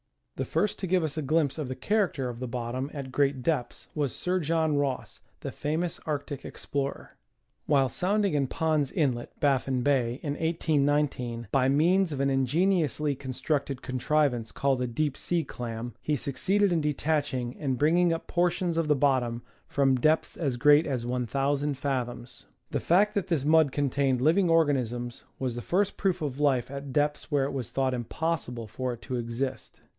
The first to give us a glimpse of the character of the bottom at great depths was Sir John Ross, the famous Arctic explorer. Geography of the Sea. 137 While sounding in Ponds Inlet, Baffin Bay, in 1819, by means of an ingeniously constructed contrivance called a deep sea clam, he succeeded in detaching and bringing up portions of the bot tom from depths as great as 1,000 fathoms. The fact that this mud contained living organisms was the first proof of life at depths where it was thoitght impossible for it to exist.